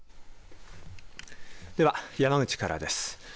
では山口からです。